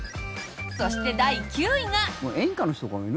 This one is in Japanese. そして、第９位が。